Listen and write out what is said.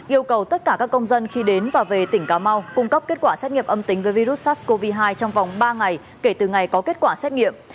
yêu cầu tất cả các công dân khi đến và về tỉnh cà mau cung cấp kết quả xét nghiệm âm tính với virus sars cov hai trong vòng ba ngày kể từ ngày có kết quả xét nghiệm